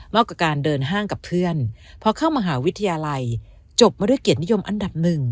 กับการเดินห้างกับเพื่อนพอเข้ามหาวิทยาลัยจบมาด้วยเกียรตินิยมอันดับหนึ่ง